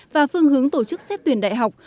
và phương hướng tổ chức xét tuyển đại học